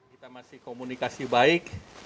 kita masih komunikasi baik